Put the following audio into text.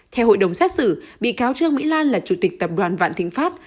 theo hội đồng xét xử bị cáo trương mỹ lan là chủ tịch tập đoàn vạn thịnh pháp